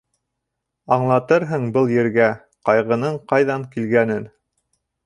Аңлатырһың был Ергә ҡайғының ҡайҙан килгәнен.